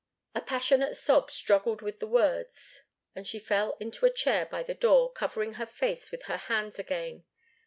A passionate sob struggled with the words, and she fell into a chair by the door, covering her face with her hands again.